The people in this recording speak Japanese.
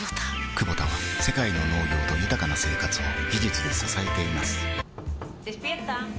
クボタは世界の農業と豊かな生活を技術で支えています起きて。